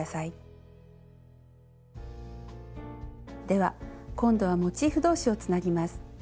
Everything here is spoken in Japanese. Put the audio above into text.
では今度はモチーフ同士をつなぎます。